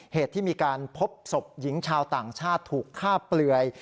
เหตุที่มีการพบศพหญิงชาวต่างชาติถูกฆ่าเปลือย